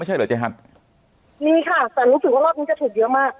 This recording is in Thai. ไม่ใช่เหรอเจ๊ฮัทมีค่ะแต่รู้สึกว่ารอบนี้จะถูกเยอะมาก